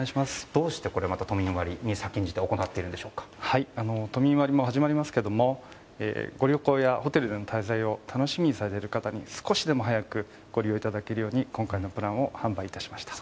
どうして都民割に先んじて都民割も始まりますがご旅行やホテルでの滞在を楽しみにされている方に少しでも早くご利用いただけるように今回のプランを販売いたしました。